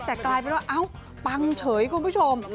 แต่กลายเป็นว่าเอ้าปังเฉยคุณผู้ชม